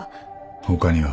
他には？